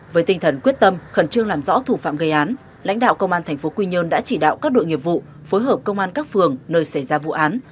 với tinh thần quyết tâm khẩn trương làm rõ thủ phạm gây án lãnh đạo công an tp quy nhơn đã chỉ đạo các đội nghiệp vụ phối hợp công an các phường nơi xảy ra vụ án